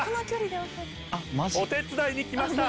お手伝いに来ました。